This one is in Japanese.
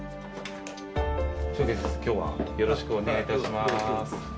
今日はよろしくお願いいたします。